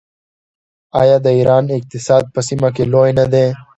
آیا د ایران اقتصاد په سیمه کې لوی نه دی؟